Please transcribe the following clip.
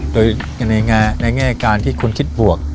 โดยในแง่การที่คุณคิดบวก